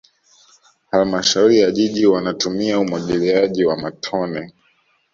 halmashauri ya jiji wanatumia umwagiliaji wa matone